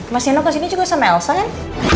mas sino kesini juga sama elsa kan